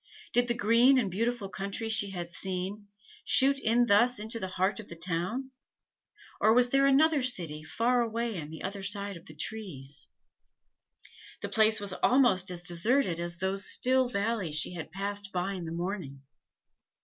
Did the green and beautiful country she had seen, shoot in thus into the heart of the town, or was there another city far away on the other side of the trees? The place was almost as deserted as those still valleys she had passed by in the morning.